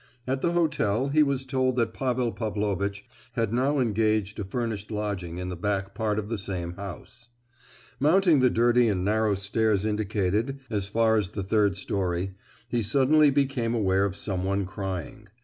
At the hotel he was told that Pavel Pavlovitch had now engaged a furnished lodging in the back part of the same house. Mounting the dirty and narrow stairs indicated, as far as the third storey, he suddenly became aware of someone crying.